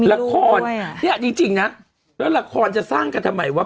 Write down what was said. ละครแล้วละครจะสร้างกันทำไมวะ